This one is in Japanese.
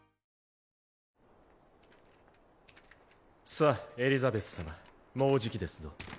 さあエリザベス様もうじきですぞ。